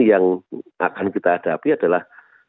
yang akan kita hadapi adalah